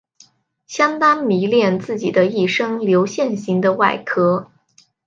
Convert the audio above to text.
相当迷恋自己的一身的流线型的外壳。